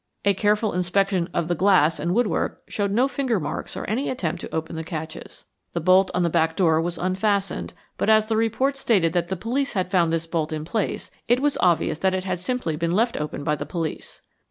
A careful inspection of the glass and woodwork showed no finger marks or any attempt to open the catches. The bolt on the back door was unfastened, but as the report stated that the police had found this bolt in place, it was obvious that it had simply been left open by the police.